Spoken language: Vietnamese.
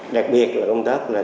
đặc biệt là công tác là